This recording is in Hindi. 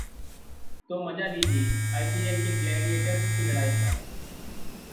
तो मज़ा लीजिए आइपीएल के ग्लैडिएटर्स की लड़ाई का